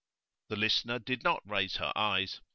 The listener did not raise her eyes.